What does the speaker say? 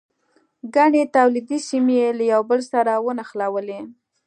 ګڼې تولیدي سیمې یې له یو بل سره ونښلولې.